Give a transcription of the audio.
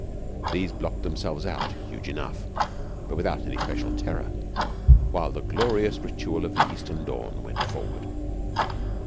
These blocked themselves out, huge enough, but without any special terror, while the glorious ritual of the Eastern dawn went forward.